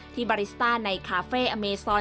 ที่บาริสตาร์ในคาเฟ่เอเมซอน